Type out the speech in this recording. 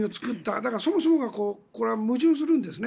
だからそもそもがこれは矛盾するんですね。